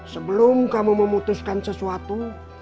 sebelum kamu memutuskan sesuatu